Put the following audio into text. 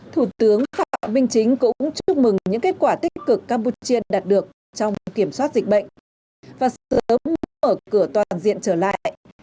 thủ tướng phạm minh chính cũng chúc mừng những kết quả tích cực campuchia đạt được trong kiểm soát dịch bệnh và sớm mở cửa toàn diện trở lại